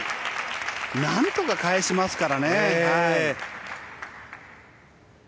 何とか返しますからね。